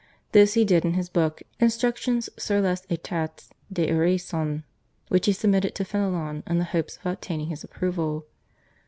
This he did in his book /Instructions sur les etats d'oraison/, which he submitted to Fenelon in the hope of obtaining his approval.